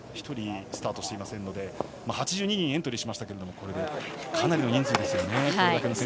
１人スタートしていませんので８２人エントリーしていましたがかなりの人数ですよね。